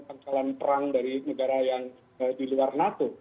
pangkalan perang dari negara yang di luar nato